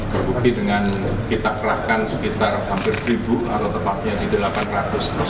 terbukti dengan kita kerahkan sekitar hampir seribu atau tepatnya di delapan ratus